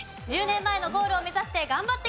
１０年前のゴールを目指して頑張ってください。